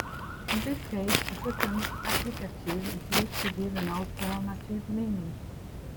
In this case the second applicative is used to give an alternative meaning.